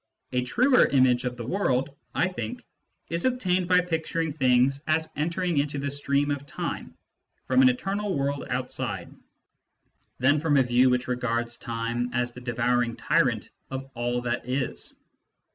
A truer image of the world, I think, is obtained by picturing things as entering into the stream of time from an eternal world outside, than from a view which regards time as the devouring tyrant of all that is.